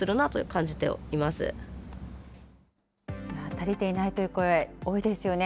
足りていないという声、多いですよね。